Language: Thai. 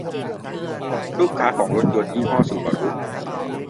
ลูกค้าของรถยนต์ยี่ห้อซูบารุ